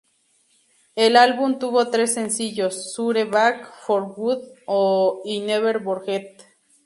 El álbum tuvo tres sencillos: Sure, Back for Good y Never Forget.